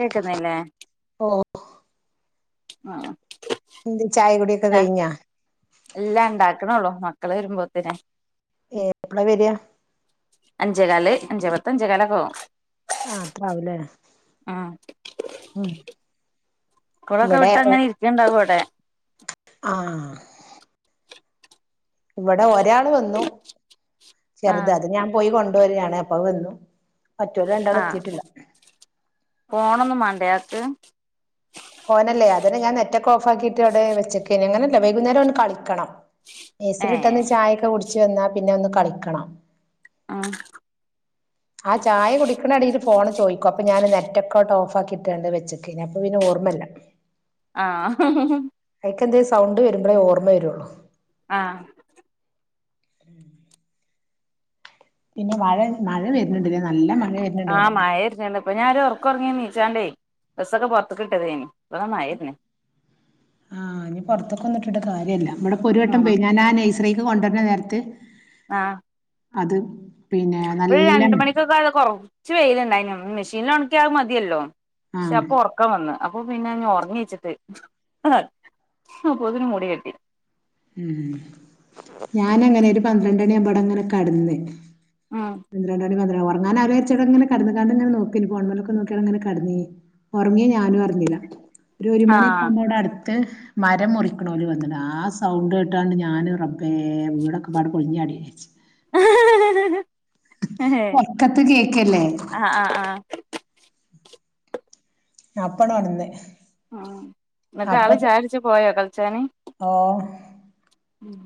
കേക്കുന്നില്ലേ ഓ ആ ചായ കുടി ഒക്കെ കഴിഞ്ഞാ നക്കണള്ളോ മക്കളെ വരുമ്പോത്തനേ ഏ എപ്പളാ വരിക അഞ്ചേ കല് അഞ്ചേ പത്ത് അഞ്ചേ കാലോക്കെ ആവും ആഹ് അത്രാവുല്ലേ ആഹ് കുളൊക്കെ ഇവിടെ വിട്ട് അങ്ങനെ ഇരിക്കേണ്ടാവും അവിടെ ആഹ് ഇവിടെ ഒരാൾ വന്നു ചെറുത് ആഹ് അത് ഞൻ പോയി കൊ ജോലി ആണേ അപ്പ വന്നു മറ്റോര് രണ്ടാളും ആഹ് എത്തിയിട്ടില്ല ഫോണൊന്നും മണ്ട അയാക്ക് ഫോനാല്ലേ അതിനെ ഞാൻ നെറ്റൊക്കെ ഓഫ്ക്കിയിട്ട് അവിടെ വെച്ചക്കെ അങ്ങനല്ല വൈകുന്നേരം ഒന് കളിക്കണം നെസ്‌റി ഏഹ് വിട്ടന്ന് ചായൊക്കെ കുടി ച്ചു വന്ന പിന്നെ ഒന്ന് കളിക്കണം ഉം ആഹ് ചായ കുടിക്കണടേലും ഫോണ് ചോയിക്കു അപ്പൊ ഞാന് നെറ്റക്കോട്ട്ഓഫാക്കിട്ടുണ്ട് വെച്ചക്കിനി അപ്പ പിന്ന ഓർമ്മല്ല ആഹ് ഇടക്കെന്ത് സൗണ്ട് വരുമ്പാഴേ ഓർമ്മ വരുള്ളൂ ആഹ് ഉം. പിന്നെ മഴ മഴ വരുന്നുണ്ട് ല്ലേ നല്ല മഴ വരുന്നുണ്ട് ആഹ് ഇവിടെ മഴയെരുന്നുണ്ട് ഇപ്പൊ ഞാൻ ഒരു ഒറക്ക് ഒറങ്ങീന്. ചാണ്ടെ ബസൊക്കെ പുറത്തു കിട്ടതേനി. ആഹ് ഇ പൊറത്തൊക്കെ വന്നിട്ട് ന്നിട്ട് കാര്യല്ല. ഇവിടെ ഇപ്പോ ഒരു വട്ടം ആഹ് പെയ് ഞാൻ ആയ നെയ്‌സ് സ്ത്രീക്ക് കൊണ്ടന്നെ നേരത്ത്. ആഹ്. അത് പിന്നെ ഇ നല്ല രണ്ട് മണിക്കൊക്കെ ആട കൊറച്ച് വെയിലുണ്ടായിന്. പിന്നെ ഒണക്കിയ അത് മതിയല്ലോ? പക്ഷെ ആഹ് അപ്പൊ ഉറക്കം വന്ന് അപ്പൊ പിന്നെ ൻ ഉറങ്ങ വച്ചിട്ട് അതാപ്പൊതിന് മുടി കെട്ടി ഉം ഞാൻ അങ്ങനെ ഒരു പന്ത്രണ്ടണി ആവുമ്പോട അങ്ങനെ കടന്ന്. ഉം ഇന്ദ്രണ്ടടി വ ഉറങ്ങാൻ ആലോയിച്ച് ആട കടന്നു കാണ്ട് നോക്കല് ഫോണ് മലൊക്കെ നോക്കിയടങ്ങനെ കടന്നീ ഉറങ്ങിയെ ഞാനും അറിഞ്ഞില്ല. ഒരു ഒരു ആഹ് മണിക്കാവും ആവുമ്പോ ആട ത് മരം മുറിക്കണോല് വന്ന്‌ ആ സ് സൗണ്ട് കേട്ടാണ്ട് ഞാന് റബ്ബേ വീടൊക്കെപാട് പൊളിഞ്ഞാടീച്ച് ആഹ് ഒറക്കത്ത് കേക്കല്ലേ ആഹ് ആഹ് ഞാപ്പടൊണന്ന്‌ ആ ന്നിട്ടാള് ചായടിച്ചു പോയോ കൾ ച്ചാന് ഓ ഉം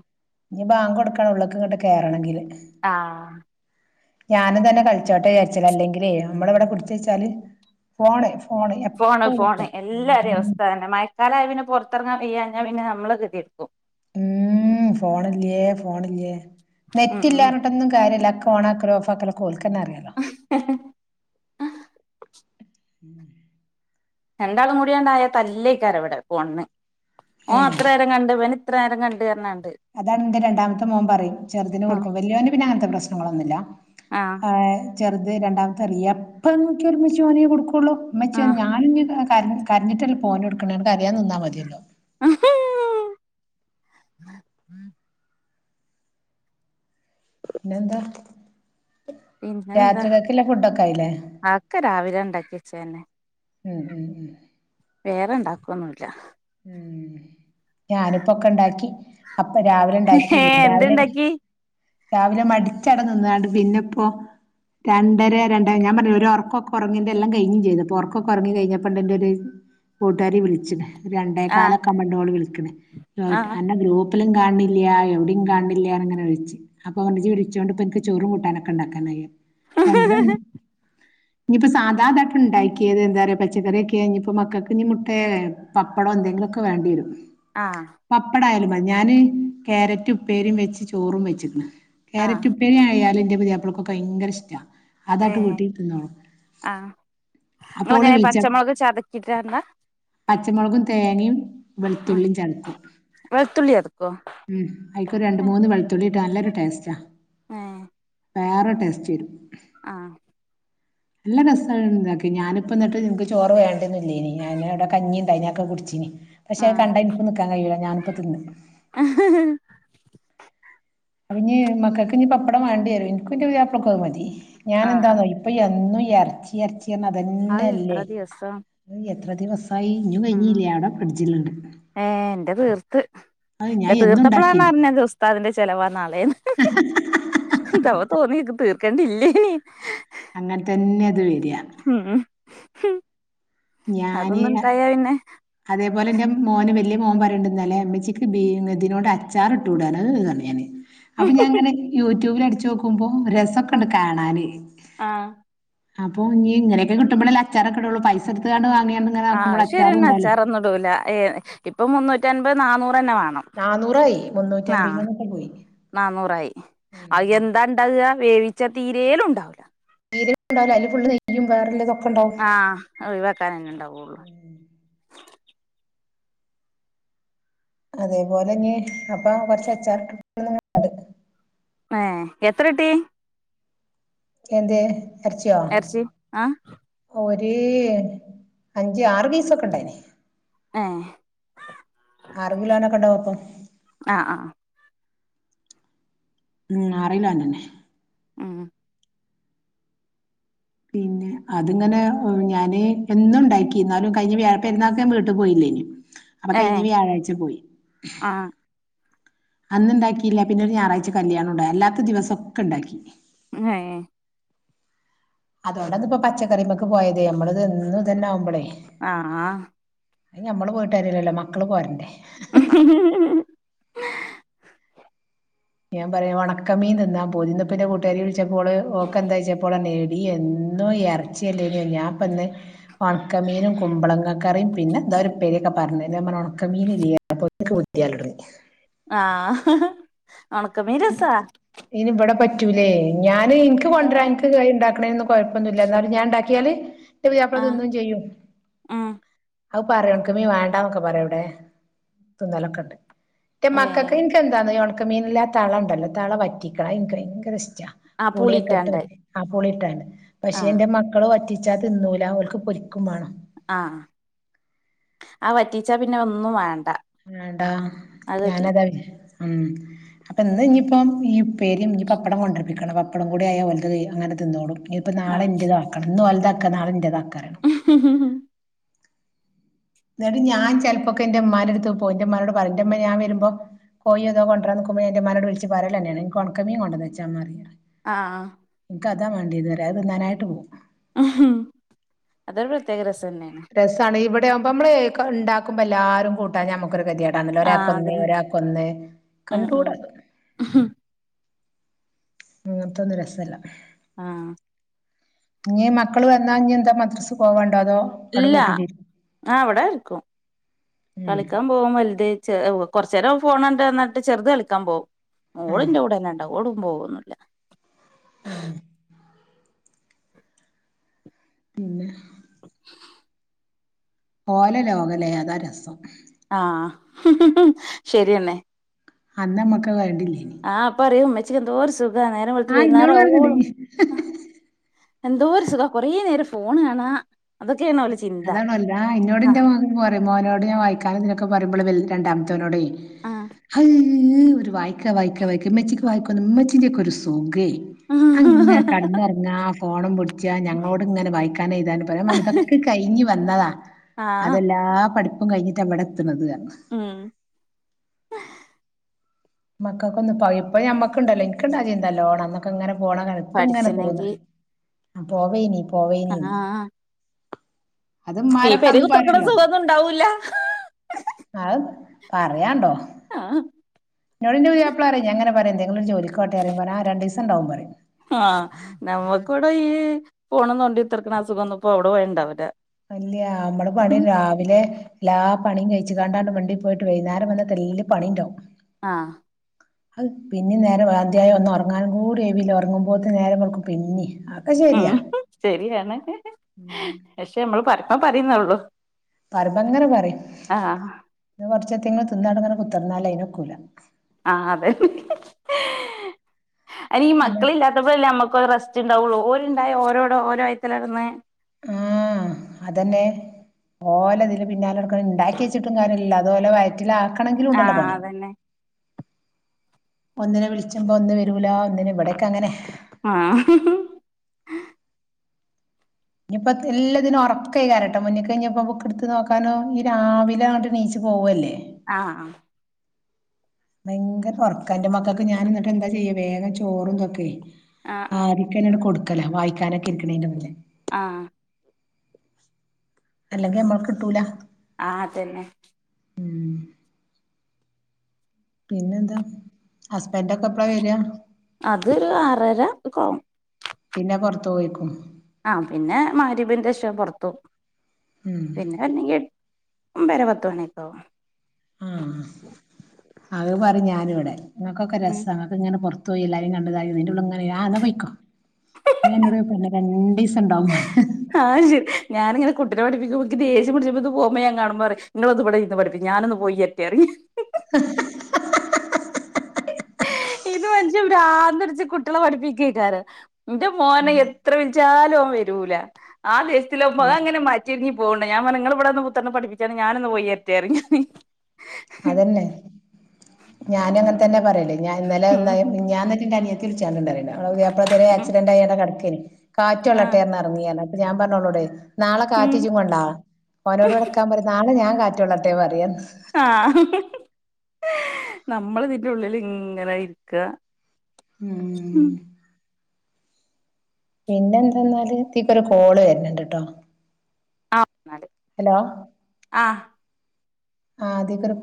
ഇനി ബാങ്ങോടുക്കാള്ളത് ങ്ങട്ട് കേറണെങ്കില് ആഹ് ഞാന് തന്നെ കളിച്ചോട്ടേച്ചല അല്ലെങ്കിലേ നമ്മളിവടെ പുടിച്ച് വെച്ചാല് ഫോണ് ഫോണ് ഫോണ് എപ്പളും ഫോണ് ഫോൺ എല്ലാരേം അവസ്ഥാത് തന്നെ മയക്കാലായാപിന്നെ പൊർത്തെറങ്ങാൻ കയ്യാഞ്ഞാ പിന്നെ നമ്മളിതു കേക്കു ഉം ഫോണില്ലേ ഫോണില്ലേ ഉം ഉം നെറ്റില്ലാഞ്ഞിർഞ്ട്ടൊന്നും കാര്യല്ലാ ഓണാക്കലുഓഫാക്കലൊക്കോൽ ക്ക ക്കന്നറിയാലോ [inaudible] രണ്ടാളുംകൂടിയണ്ടായാ തല്ലെക്കാരവിടെ ഫോണിന് ഓൻ അത്രേരം കണ്ടവന് ഇവന് ത്രനേരം കണ്ട് ർഞാണ്ട് അതാണെന്റെ രണ്ടാമത്തെ മോമ്പറയും ചെറുതിന് ഉം കൊടുക്കു വല്യോന് പിന്നെ അങ്ങനത്തെ പ്രശ് ശ്നങ്ങളൊന്നുല്ല ആഹ് ആ ഏ ചെറുത് രണ്ടാമത്തെ റിയ പ്പ നോക്ക്യ ഇമ്മച്ചി ഓനെ കൊടുക്കൂ ക്കുള്ളൂ ഇമ്മാച്ചേ ആഹ് ഞാൻ ഞ് [unintelligible] ക കര്ഞ്ഞിട്ടല്ലപ്പോന് ട്ക്കണെ അകൊണ്ട് കരയാതെ നിന്നാ മതിയല്ലോ [unintelligible] പിന്നെന്താ പിന്നെന്താ രാത്രികൾക്കുള്ള ഫുഡൊക്കെ ആയില്ലേ ആക്കെ രാവിലെ ഇണ്ടാക്കിവച്ചെന്നെ ഉം ഉം ഉം വേറെണ്ടാക്ക്വന്നുഇല്ല. ഉം ഞാനിപ്പോക്കെണ്ടാക്കി അപ്പ രാവിലെ ഇണ്ടാക്കില്ലേ ഏഹ് രാവിലെ എന്ത്ണ്ടാക്കി രാവിലെ മടിച്ചട് നിന്നാണ്ട് പിന്നെപ്പോ രണ്ടര രണ്ടര ഞാമ്പറഞ്ഞിലെ ഒരൊറക്കൊക്കെ ഒറങ്ങിന്റെ എല്ലാം കഴിഞ്ഞും ചെയ്ത്പ്പൊ ഒറക്കൊക്കെ ഒറങ്ങി കഴിഞ്ഞപ്പണ്ട്ന്റെ ഒരു കൂട്ടുകാരി വിളിച്ചിണ് രണ്ടേ ആഹ് കാലൊക്കാമ്പൊണ്ടോള് വിളിക്ക്ണ് ആഹ് അന്നെ ഗ്രൂപ്പ് എപ്പലും കാണില്ല എവിടേം കാണില്ല ന്ന്ങ്ങനെ വിളിച്ച് അപ്പോ ഞാൻ പറഞ്ഞു ഇജ്ജ് വിളിച്ചോണ്ട് നിക്ക് ചോറും കൂട്ടാനൊക്കെ ഇണ്ടാക്കാനായിന്ന് രണ്ടര ഇനിയിപ്പോ സാധാതായിട്ട് ഇണ്ടാക്കിയത് എന്താ അറിയോ പച്ചക്കറിയൊക്കെ ആയി ഇനിയിപ്പോ മക്കൾക്ക് ഇനി മുട്ടെ പപ്പടോ എന്തെങ്കിലുമൊക്കെ വേണ്ടിവരും ആഹ് പപ്പടായാലും പച് ഞാന് ക്യാരറ്റ് ഉപ്പേരിയും വെച്ച് ചോറും വെച്ചിക്കണ് ആഹ് ക്യാരറ്റ് ഉപ്പേരി ആയാല് എന്റെ പുതിയാപ്പളക്ക് ഒക്കെ ഭയങ്കരയിഷ്ടാ ഏഹ് ആഹ് അപ്പൊ ഇങ്ങൾ ഓള് എങ്ങനെ വിളിച്ച പച്ചമുളക് ചതച്ചിട്ടാ ഇടുവാ മൊളകും തേങ്ങയും വെളുത്തുള്ളി ചതക്കും വെളുത്തുള്ളി ചതക്കോ ഉം അയിക്ക് രണ്ട് മൂന്ന് വെളുത്തുള്ളിട്ട് നല്ലരു ടേസ്റ്റാ ഏഹ് വേറെ ടേസ്റ്റ് വരും ആഹ് നല്ല രസാണ് ഇണ്ടാക്കിയ ഞാനിപ്പ എന്നിട്ട് നിക്ക് ചോറ് വേണ്ട്ന്ന്ല്ലേയിനി ഞാനിവിടെ കഞ്ഞിണ്ടായിനി അതൊക്കെ കുടിച്ചീനി പക്ഷെ ആഹ് കണ്ടാ എനിക്ക് നിക്കാൻ കഴിയൂല ഞാനിപ്പ തിന്ന് അപ്പ ഇനി മക്കൾക്ക് ഇനി പപ്പടം വേണ്ടിയരും ഇന്ക്കും ഇന്ൻ്റെ പുതിയാപ്പിളക്കും അതു മതി ഞാന് ആഹ് എന്താന്നോ ആഹ് ഇപ്പൊ എന്നും ഈ ഏർച്ചി ഏർച്ചി ന്നെ അത് എത്ര ഇതെന്നെയല്ലേ ദിവസം [unintelligible] എത്ര ദിവസ് അതിനിയും ഉം കയിഞ്ഞില്ല ആടെ ഫ്രിഡ്ജിലുണ്ട് ഇത് തീർത്തപ്പഴാണ് അറിഞ്ഞെ ഉസ്താദിന്റെ ചെലവാ നാളേന്ന് എന്തവാ തോന്നി തീർ ക്കണ്ടില്ലെനി അങ്ങനെ തന്നെ അത് വെര്വാ ഹം ഞാന് അതൊന്നു ണ്ടായ പിന്നെ അതേപോലെ എന്റെ മോന് വല്ല്യ മോൻ പറയേണ്ട്ന്നലെ ഉമ്മച്ചിക്ക് ബീ ഇതിനോണ്ട് അച്ചാർ ഇട്ടൂടെനോ [unintelligible] പറഞ്ഞ് ഞാന് അപ്പൊ ഞാനിങ്ങനെ യൂട്യൂബിൽ അടിച് ച്ചോക്കുമ്പോ രസൊക്കെ ഇണ്ട് കാണാന് ആഹ് അപ്പൊ ഇനി ഇങ്ങനൊക്കെ കിട്ടുമ്പളല്ലേ അല്ലെ അച്ചാറൊക്കെ ഇടോള്ളു പൈസ കൊടുത്താണ്ട് വാങ്ങി എന്തെങ്കിലുമാക്കുമ്പൾ അച്ചാറും ഉണ്ടാവൂല്ലാ ട്ടൊന്നും ഇടൂല ഇപ്പോ മുന്നൂറ്റമ്പത് നാനൂർ ന്നെ വേണം നാന്നൂറായി മുന്നൂറ്റി ആ അൻപതിമന്നൊക്കെ പോയി നാനൂറായി ഉം അയെന്താ ഇണ്ടാവ്വാ വേവിച്ച പച്ച തീരേലും ഉണ്ടാവില്ല ന ഉണ്ടാവില്ല അതില്ുള്െയ്യും വേറ [unintelligible] ആഹ ഒഴിവാെക്കാൻന്നെ ഉണ്ടാവുള്ളു ഉം അതേപോലെ തന്നെ അപ്പ കുറച്ച് അച്ചാറിട്ടു ത് [inaudible] ഏ എത്രട്ടീ എന്തെ ഇറച്ചി ആ [unintelligible] അഞ്ച് ആറ് പീസൊക്കെ ഇണ്ടായിന ഏ ആറു കിലോഒ ക്കെ ഉണ്ടാവല്ലോ അപ്പൊ ആ ആ ഉം അറിലൊ ഒന്നെ ന്നെ മം പിന്നെ അതിങ്ങനെ ഞാന് എന്നും ഉണ്ടാക്കി എന്നാലും കഴിഞ പെരുന്നാൾക് ഞൻ വീട്ടി പോയില്ലേ അപ്പൊ ഏ കഴി ഞ്ഞ വ്യാഴാഴ്ച പോയി ആ അന്നു ഉണ്ടാക്കിയില്ല പിന്നെ ഒരു ഞായറാഴ്ച കല്യാണം ഉണ്ടാരുന്നു അല്ലാത്ത ദിവസം ഒക്കെ ഉണ്ടാക്കി എ ഏ അതുകൊണ്ട ഇപ്പൊ പച്ചക്കറീ മൊക്കെ പോയതേ നമ്മള് എന്നുംഇതു തന്നെ ആകുമ്പോളേ ആ ഞമ്മള് പോയിട്ടു കാര്യമില്ലല്ലോ മക്കള് പോരണ്ടെ [inaudible] ഞാൻ പറയാം ഉണക്കമീൻ തി ന്നാൻ പുതി നിന്റെ കൂട്ടാരിയെ [inaudible] ച്ചപ്പോള് ഓക്കെ എന്താ വച്ചപ്പോള നേ [inaudible] ഈ എന്നും ഇറച്ചിയല്ലേ ഞാൻപ്പന്ന് ഉണക്കമീനും കുമ്പളങ്ങക്കറിയും പിന്നെ എന്ത ഒരു പേരിക്കെ പറഞ്ഞു ഉണക്കമീന [unintelligible] ആഹ ഉണകമീൻ രസമ പറ്റൂലെ ഞാൻ അ എനിക്ക് കൊണ്ടരാന് കറി ഉണ്ടാക്കണെന്ന് കുഴപ്പൊന്നുമി ല്ല എന്നാലും ഞാൻ ഉണ്ടാക്കിയാല് പുതിയാപ്ല ആ തിന്നുംചെയ്യൂ ഉം അ പറയും ഉണക്ക മീൻ വേണ്ടന്നൊക്കെ പറയും ഇവിടെ ന ന്തലൊക്കെ ഉണ്ട് ഏ മക്കക് [inaudible] ഉണക്കമീനല്ലാ ചാള ഉ ണ്ടല്ലോചാള വറ്റിക്കണം എനിക്ക് ഭയങ്കര ഇഷ്ടം ആ പുളിയൊക്കെ ഇട്ടു പുളിയിട്ടാണ്ട് പറ്റികണം പൊളിയിട്ടാണ് ആ പക്ഷെ എന്റെ മക്കളും പറ്റി ച്ചാ തിന്നൂല ഓൽക്ക് പൊരിക്കും മാണം. ആ ആ വറ്റിച്ച പിന്നെ ഒന്നും വേ ആണ്ടാ ഞാനതാ ഉം അപ്പ ഇന്ന്ഞ്പ്പം മീം പേരിന് ഞ് പപ്പടം കൊണ്ടര്പ്പിക്കണം വ പ്പടം കൂടായ ഒല്ത് തി അങ്ങന തിന്നോളും. ഇനിപ്പം ആ നാളെന്റത് ആക്കണം ഇന്ന് ഓൽത ക്ക നാളേന്റതാ [unintelligible] നട് ഞാൻ ചെൽപ്പക്ക ന്റെമ്മാനട്ത്ത് പോയ് ന്റെ മ്മാനോട് പറിം ന്റെ ഇമ്മ ഞം വരുമ്പം കോയോ തൊ കൊണ്ടാന്ന് ന്ക്കുമ്പോ ഞാ ന്റെമ്മനെട് വിൾച്ച് പറലെനെണ് ഇൻക്ക് ഒൺക്കമീ കൊണ്ടന്നെച്ചാമതി. ആഹ കതാ മാണ്ടിയത് റ അ ത്തിന്നാനായിട്ട് പോവും. ഉഹും അതൊരു ത്യകരസാ. രസാണ് ഇവ് പ്പയാപമ്മ്ള് ക്ക ണ്ടാക്കുമ്പല്ലാര്കൂട്ടാ ഞ്ഞ കൊരു കെതെടാണലോ ആ ഒരാക്കൊന്ന് അതന്നെ ഒരാക്കൊന്ന് ഉം കണ്ടുടാതൊ ഉം അങ്ങത്തൊന്നും രസല്ല. ആ ഇഞ് മക്കള് വന്നാ ഞ് എന്താ മദ്രസ് പോവാ ഇല്ല ആ വ്ടെ നിക്കും ഉം കളിക്കാൻ പോകും വല്ത് കൊർചേരം ഫോണണ്ടട്നാട്ട് ചെർത് കളിക്കാൻ പോവും. ആഹ് ഓളിന്റെ കൂടെന്നാണ്ടാ ഓളു പോവുന്നുല്ല ഉം പിന്നെ [inaudible] പോലെ ലോകല്ലേ അതാ രസം. ആ ശരിയണെ അന്ന്മ്മക്ക് വെ ആ പറയൂ മെ ച്ച്എന്തൊരു സു താ നേരം വെൾത്ത് ആഹ് ഇന്നോട് പറയ്ണ്ട് വൈനാരാവോളും എന്തോരു സുഗാ കൊറെേ നേരം ഫോണ് കാണാ അതൊ അതാണ് ഒൽത് ആ ഇന്നോട് ഇന്റെ മൊ മോനോട് ഞ വായിക്കാനും ഇതിനൊക്കെ പറിമ്പള് രണ്ടാമ്തോന്നോടെ ആ ഈ ഒരു വയ്ക്ക വയ്ക്ക വായ്ക്ക മെചിക്ക് വായ്കൊന്നും മെച്ചി്ന്റക്കെ ഒരു സുഖേ അങ്ങ കട്നൊർങ്ങാ ഫോണുംപുട് ച്ചാ ഞങ്ങളോട് ഇങ്ങനെ വായിക്കാനും എഴുതാനും പറിം ഞാൻ പറഞ്ഞ് ഇതൊക്കെ കഴിഞ്ഞു വന്നതാ ആഹ് അതെല്ലാ പഠിപ്പും കഴിഞ്ഞ് ട്ടാ ഇവടെ ത്തുണത് ർഞ്ഞ് ഉം മക്കൊക്കൊന്ന് [unintelligible] ഇപ്പ ഞമ്മക്കുണ്ടല്ലോ ഇൻക്ക്ണ്ടാ ചിന്താ നല്ലോണം അന്നൊക്കെങ്ങന പോണതാണ് ഇപ്പം ഇങ്ങനെ തോന്ന പഠിച്ചിണെങ്കി അ പോവേനി പോവേനീന്ന് ആഹ് ഈ പെരേ കുത്ത്റക്ക്ണ സുഖൊന്നും ഇണ്ടാവൂല്ല അത് പറയാണ്ടോ ആഹ് ഇന്നോടിന്റെ പുത്യാപ്പളറിം ഞാങ്ങനെ പറിം എന്തെങ്കിലൊരു ജോലിക്കോട്ടെറി മ്പം പറിം ആ രണ്ടീസം ഉണ്ടാവും പറയും ആഹ് നമ്മുക്ക് ഇവിടെ ഈ പോണും തോണ്ടി കുത്രക്ക്ണ ആ സുഖം ഒന്നുംപ്പോ അവിടെ പോയാ ഉണ്ടാവൂല അ ല്ല്യാ മ്മള് പണി രാവിലെ എല്ലാ പണിയും കഴിച്ചു കാണ്ടാണ്ട് മണ്ടി പോയിട്ട് വൈന്നാരം വന്ന് തെല്ല് പണി ഇണ്ടാവും ആഹ് അഹ് പിന്നിം നേരം അന്ത്യായ ഒന്നും ഉറങ്ങാനും കൂടി ഒഴിവില്ല ഉറങ്ങുമ്പോത്ത് നേരം വേൾക്കും പിന്നിം അതൊക്കെ ശരിയാ ഉം ശരിയാണ് ക്ഷെ നമ്മള് പറി [unintelligible] പറിന്നൊള്ളൂ പറയുമ്പങ്ങനെ പറയും [inaudible] കുറച്ച എത്തെങ്കിലും തിന്നാണ്ട്ങ്ങനെ കുത്തർന്നാലെ അതിനൊക്കൂല ആഹ് അതെ അയ്ന് ഈ മക്കള് ഇല്ലാത്തപ്പളല്ലേ നമ്മ ക്കൊര് റസ്റ്റ്ണ്ടാവുള്ളൂ ഓല്ണ്ടായാ ഓരോട ഓര വൈത്തല ട്ന്ന് ആ അതന്നെ ഓലെ ഇതില് പിന്നാലെ നടക്കണ് ഇണ്ടാക്കി വെച്ചിട്ടും കാര്യല്ല അതോലെ വയറ്റിലാക്ക ണങ്കിലും ഇണ്ടല്ലോ ആഹ് പണി അതന്നെ ഒന്നിനെ വിളിച്ചുമ്പോ ഒന്ന് വരൂല ഒന്നിന് ഇവിടൊക്കെ അങ്ങനെ ആഹ് ഇനിയിപ്പോ എല്ലത്തിനും ഓർക്കേക്കാരട്ടോ മുന്ന്ക്ക് ഇഞ്ഞ്പ്പം ബുക്ക് ഇട്ത്ത് നോക്കാനോ ഈ രാവിലെ ആണ് നീച്ച് പോവല്ലേ ആഹ് ആ ഭയങ്കര ഓർക്കാ ഇൻ്റെ മക്കക്ക് ഞാൻ എന്നിട്ട് എന്താ ചെയ്യ വേഗം ചോറും തൊക്കെ ആഹ് ആദിക്കന്നാട് കൊട് ലാ വായിക്കാനൊക്കെ ഇരിക്കണേൻ്റെ മുന്നേ ആഹ് അല്ലെങ്കിൽ നമ്മൾക്ക് കിട്ടൂല ആ തന്നെ ഉം പിന്നെന്താ ഹസ് അതൊരു ആറര ക്കാവും പിന്നെ പൊറത്ത് പോയിക്കും ആ പിന്നെ മരിവിൻ്റെഷം പൊറുത്ത്പോം ഉം പിന്നെ വന്നെങ്കി എട്ട് ഒമ്പതര പത്ത് മണിയൊക്കാവും ആ അത് പറഞ്ഞാനിവിടെ നിങ്ങക്കൊക്കെ രസാ ങ്ങക്ക് ഇങ്ങനെ പൊറ ത്തോയി എല്ലാരേം കണ്ടതായത് ഇന്റെ ഉള്ളിലിങ്ങനെ ആ എന്ന പൊയ്ക്കോ ഉം നീ എന്നോടപ്പന്നെ രണ്ടീസം ഇണ്ടാവും ആഹ് ശരി ഞാനിങ്ങനെ കുട്ടിനെ പഠിപ്പിക്കുമ്പേ എനിയ്ക്ക് ദേഷ്യംപിടിച്ചപ്പേ ഇത് പോവുമ്പേ ഞാൻ കാണുമ്പോ പറയും നിങ്ങളൊന്നിവിടെ ഇരുന്ന് പഠിപ്പിക്ക് ഞാനൊന്ന് പോയി വരട്ടേന്ന് പറയും ഇത് മനുഷ്യൻ പ്രാന്ത് പിടിച്ച് കുട്ടികളെ പഠിപ്പിക്കാ ഇരിക്കാറ് എന്റെ മോനെ എത്ര വിളിച്ചാലും ഓൻവരൂല ആ ദേഷ്യത്തിലാവുമ്പോ അത് ഉം അങ്ങനെ മാറ്റി ഇറങ്ങി പോകണ്ട ഞാൻ പറഞ്ഞ് നിങ്ങള് ഇവിടെരുന്ന് പുത്രനെ പഠിപ്പിച്ചാണ് ഞാനൊന്ന് പോയിവരട്ടെന്നുറഞ്ഞ് അതെന്നെ ഞാനു- തന്നെ പറയൂ ഞാൻ ഇന്നലെ ഉം എായും [inaudible] മി ഞ്ഞാന് ന്റെ അനിയത്തി വിളി [inaudible] ഉണ്ടായിരുന്നു നമ്മ അപ്പത്തന്നേ ഉം ആസിഡന്റ കട ക്കന് കാറ്റ് ആഹ് കൊള്ളട്ടെന്ന് ഇറങ്ങിയല്ല [inaudible] അപ്പ ഞാൻ പറഞ്ഞോള്ളോടെ നാളെ കാറ്റി ഉം ജിം കൊണ്ടാ അവനോട് ഇവിടെ നിക്കാൻ പറയ് നാളെ ഞാ- കാറ്റൊള്ളട്ടെ പറ- ആ നമ്മളിതിൻ്റെ ഉള്ളിലിങ്ങനെ ഇരിക്ക ഉം പിന്നെ എന്തെന്നാല് ഇതിക്കൊര് കോള് വരണിണ്ട് ട്ടോ ആ ഹലോ [inaudible] ആ ആ ആദ്യക്കൊര് പൊ-